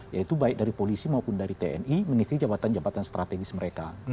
yaitu baik dari polisi maupun dari tni mengisi jabatan jabatan strategis mereka